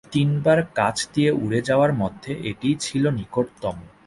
তিনবার কাছ দিয়ে উড়ে যাওয়ার মধ্যে এটিই ছিল নিকটতম।